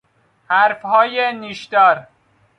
حرفهای نیشدار